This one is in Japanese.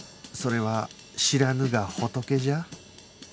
それは「知らぬが仏」じゃ？